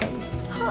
はあ。